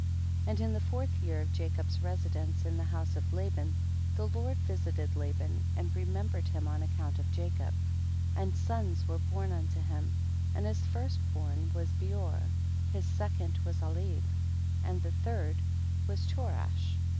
18. And in the fourth year of Ja cob's residence in the house of La ban, the Lord visited Laban and re membered him on account of Jacob, and sons were born unto him, and his first born was Beor, his second was Alib, and the third was Cho rash.